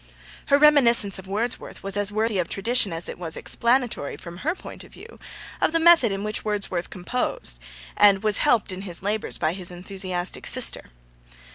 Her reminiscence of Wordsworth was as worthy of tradition as it was explanatory, from her point of view, of the method in which Wordsworth composed, and was helped in his labours by his enthusiastic sister.